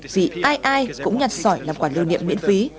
vì ai ai cũng nhặt sỏi làm quả lưu niệm miễn phí